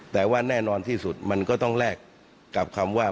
แต่ว่าแน่นอนที่สุดมันก็ต้องแลกกับคำว่า